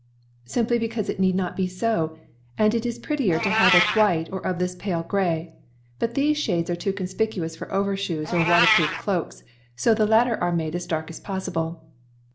"Simply because it need not be so, and it is prettier to have it white or of this pale gray. But these shades are too conspicuous for overshoes or waterproof cloaks, so the latter are made as dark as possible.